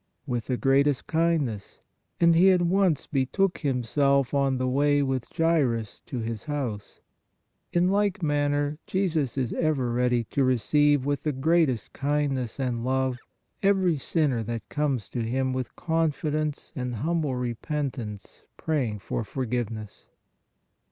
With the greatest kindness and He at once betook Himself on the way with Jairus to his house. In like man ner, Jesus is ever ready to receive with the greatest kindness and love every sinner that comes to Him THE WOMAN ILL 12 YEARS 97 with confidence and humble repentance praying for forgiveness.